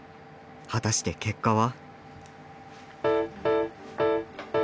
果たして結果は？